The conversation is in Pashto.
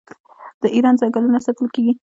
د ایران ځنګلونه ساتل کیږي.